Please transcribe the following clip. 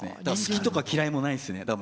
だから好きとか嫌いもないですね